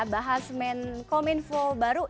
bahas menkom info baru